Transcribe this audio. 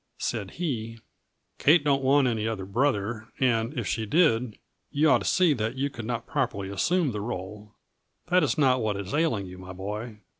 Said he :" Kate don't want any other brother, and, if she did, you ought to see that you could not properly assume the r61e. That is not what is ailing you, my boy.